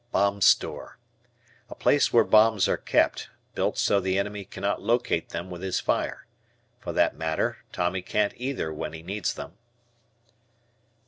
Bomb Store. A place where bombs are kept, built so the enemy cannot locate them with his fire. For that matter, Tommy can't either when he needs them.